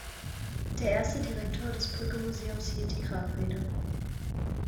Der erste Direktor des Brücke-Museums hielt die Grabrede.